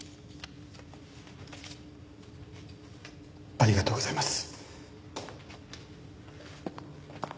ありがとうございます。